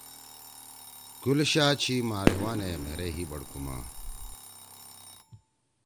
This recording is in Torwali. گل شاہ چھی مھاریونے مھیرے ہی بڑکُما